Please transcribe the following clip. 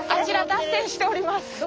ちら脱線しております。